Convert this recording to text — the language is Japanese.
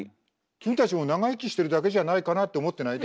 君たちも長生きしてるだけじゃないかなって思ってない？